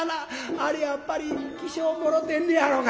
あれやっぱり起請もろてんのやろか」。